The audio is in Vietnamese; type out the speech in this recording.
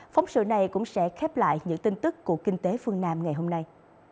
phóng sự này cũng sẽ khép lại những tin tức của kinh tế phương nam ngày hôm nay